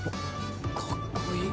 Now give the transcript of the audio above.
かっこいい。